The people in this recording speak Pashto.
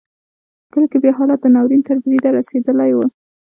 په کلیو کې بیا حالت د ناورین تر بریده رسېدلی و.